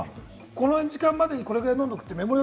この時間までにこれぐらい飲むって。